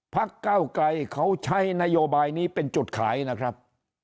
พักเก้าไกรเขาใช้นโยบายนี้เป็นจุดขายนะครับ